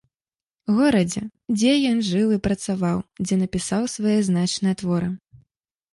Горадзе, дзе ён жыў і працаваў, дзе напісаў свае значныя творы.